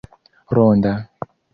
ronda